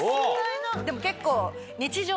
でも結構。